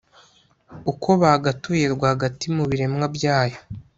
uko bagatuye rwagati mu biremwa byayo